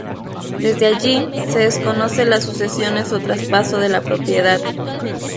Desde allí, se desconoce las sucesiones o traspaso de la propiedad.